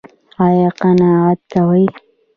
ایا قناعت کوئ؟